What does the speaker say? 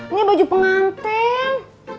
ini baju pengantin